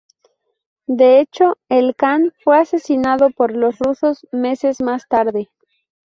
De hecho, el kan fue asesinado por los rusos meses más tarde.